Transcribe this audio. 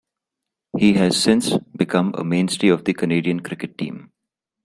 He has since become a mainstay of the Canadian cricket team.